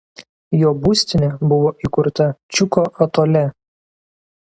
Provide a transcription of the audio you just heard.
Jo būstinė buvo įkurta Čiuko atole.